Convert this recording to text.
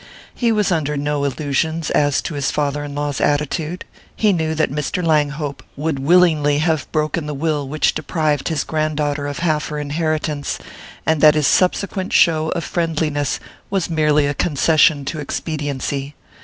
He was under no illusions as to his father in law's attitude: he knew that Mr. Langhope would willingly have broken the will which deprived his grand daughter of half her inheritance, and that his subsequent show of friendliness was merely a concession to expediency.